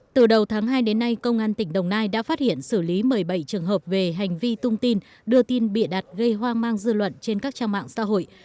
từ đầu tháng hai đến nay công an tỉnh đồng nai đã phát hiện xử lý một mươi bảy trường hợp về hành vi tung tin đưa tin bịa đặt gây hoang mang dư luận trên các trang mạng xã hội